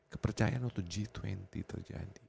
kepercayaan waktu g dua puluh terjadi